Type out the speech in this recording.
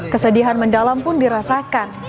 kesedihan mendalam pun dirasakan